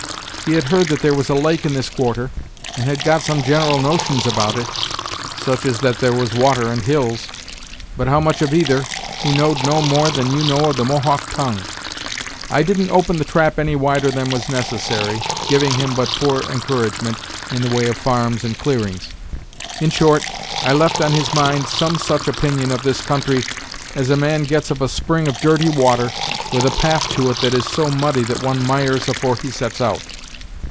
He had heard that there was a lake in this quarter, and had got some general notions about it, such as that there was water and hills; but how much of either, he know'd no more than you know of the Mohawk tongue. I didn't open the trap any wider than was necessary, giving him but poor encouragement in the way of farms and clearings. In short, I left on his mind some such opinion of this country, as a man gets of a spring of dirty water, with a path to it that is so muddy that one mires afore he sets out.